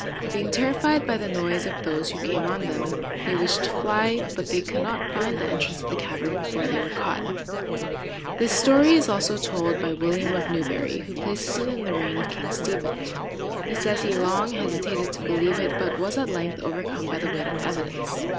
Being terrified by the noise of those who came on them, they wished to fly, but they could not find the entrance of the cavern before they were caught." This story is also told by William of Newbury, who places it in the reign of King Stephen. He says he long hesitated to believe it, but was at length overcome by the weight of evidence.